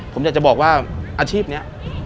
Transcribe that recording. ผมอยากจะบอกว่าอาชีพนี้